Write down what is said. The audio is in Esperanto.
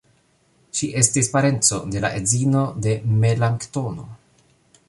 Ŝi estis parenco de la edzino de Melanktono.